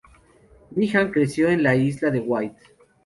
Meehan creció en la Isla de Wight.